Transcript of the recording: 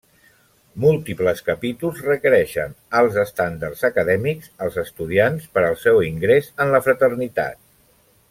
Múltiples capítols requereixen alts estàndards acadèmics als estudiants per al seu ingrés en la fraternitat.